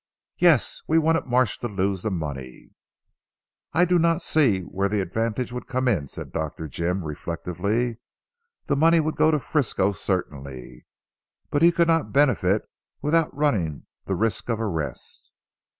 "Yes! We wanted Marsh to lose the money." "I do not see where the advantage would come in," said Dr. Jim reflectively, "the money would go to Frisco certainly, but he could not benefit, without running the risk of arrest."